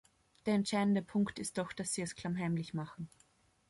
Der entscheidende Punkt ist doch, dass sie es klammheimlich machen.